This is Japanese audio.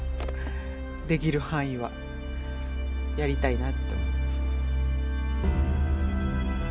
できる範囲はやりたいなと思う。